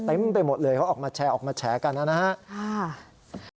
เต็มไปหมดเลยเขาออกมาแชร์ออกมาแฉกันนะครับ